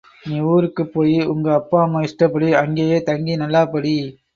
நீ ஊருக்குப் போயி உங்க அப்பா அம்மா இஷ்டப்படி அங்கேயே தங்கி நல்லாப் படி.